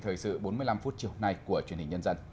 thời sự bốn mươi năm phút chiều hôm nay của truyền hình nhân dân